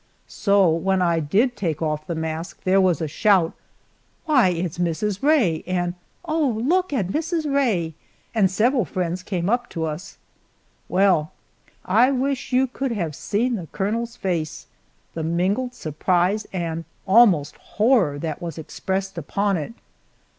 So when I did take off the mask there was a shout: "Why, it is Mrs. Rae," and "Oh, look at Mrs. Rae," and several friends came up to us. Well, I wish you could have seen the colonel's face the mingled surprise and almost horror that was expressed upon it.